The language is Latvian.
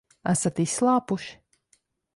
Esat izslāpuši?